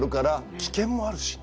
危険もあるしね。